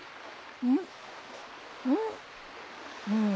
うん？